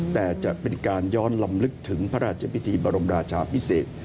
แต่จะเป็นการย้อนลำลึกถึงพระราชพิธีบรมราชาพิเศษ